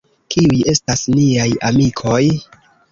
Kiuj estas niaj amikoj?